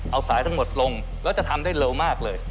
เอาสายทั้งหมดลงแล้วจะทำได้เร็วมากเลย